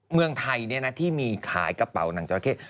เมืองไทยที่มีขายกระเป๋าหนังจราเข้